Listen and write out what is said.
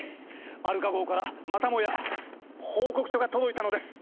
アルカ号からまたもや報告書が届いたのです。